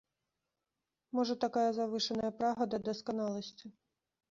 Можа такая завышаная прага да дасканаласці.